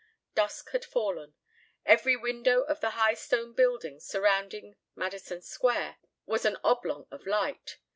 Dusk had fallen. Every window of the high stone buildings surrounding Madison Square was an oblong of light.